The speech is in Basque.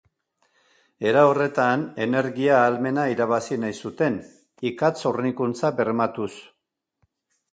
Era horretan, energia ahalmena irabazi nahi zuten, ikatz hornikuntza bermatuz.